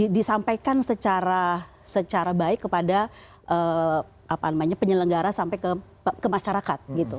disampaikan secara baik kepada penyelenggara sampai ke masyarakat